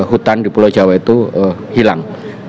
hutan di pulau jawa itu hilang